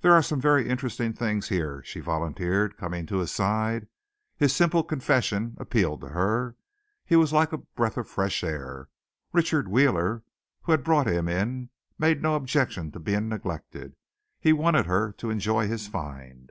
"There are some very interesting things here," she volunteered, coming to his side. His simple confession appealed to her. He was like a breath of fresh air. Richard Wheeler, who had brought him in, made no objection to being neglected. He wanted her to enjoy his find.